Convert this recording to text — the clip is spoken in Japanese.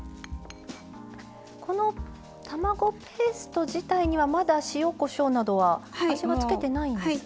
この卵ペースト自体にはまだ塩・こしょうなどは味はつけてないんです？